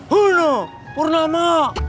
hul bur nama